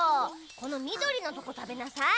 このみどりのとこたべなさい。